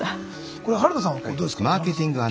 これ原田さんはどうですか？